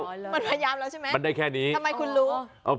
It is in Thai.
มันพยายามแล้วใช่ไหมมันได้แค่นี้ทำไมคุณรู้